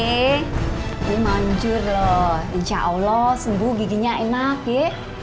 ini manjur loh insya allah sembuh giginya enak ya